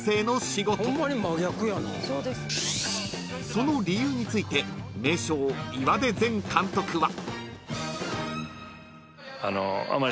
［その理由について名将岩出前監督は］